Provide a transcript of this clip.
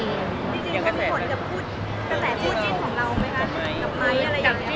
จริงมันผลกับผู้จิ้นของเราไหมคะกับไม้อะไรอย่างนี้